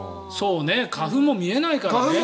花粉も見えないから。